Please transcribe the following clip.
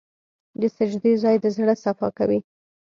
د سجدې ځای د زړه صفا کوي.